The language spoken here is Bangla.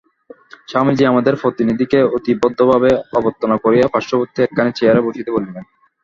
স্বামীজী আমাদের প্রতিনিধিকে অতি ভদ্রভাবে অভ্যর্থনা করিয়া পার্শ্ববর্তী একখানি চেয়ারে বসিতে বলিলেন।